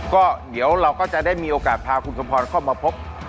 ก็เดี๋ยวเราก็จะได้มีโอกาสพาคุณสมพรเข้ามาพบ